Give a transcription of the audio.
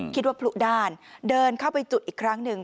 พลุด้านเดินเข้าไปจุดอีกครั้งหนึ่ง